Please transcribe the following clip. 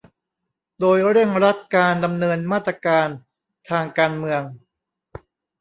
โดยเร่งรัดการดำเนินมาตรการทางการเมือง